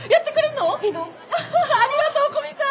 ありがとう古見さん！